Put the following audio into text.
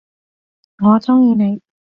我中意你！